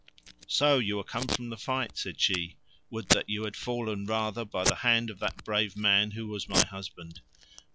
"So you are come from the fight," said she; "would that you had fallen rather by the hand of that brave man who was my husband.